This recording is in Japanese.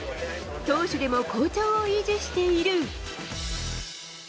投手でも好調を維持している。